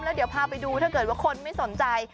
แล้วเดี๋ยวพาไปดูถ้าเกิดว่าคนไม่สนใจ